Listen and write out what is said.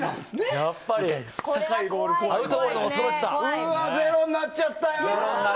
うわー、ゼロになっちゃったよ。